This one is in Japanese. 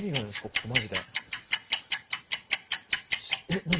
ここマジでえっ何？